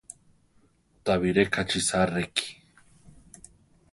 Tabiré kachisa reki.